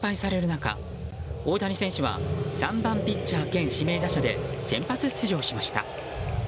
中大谷選手は３番ピッチャー兼指名打者で先発出場しました。